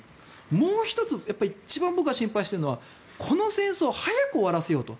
もう１つ一番僕が心配しているのはこの戦争、早く終わらせようと。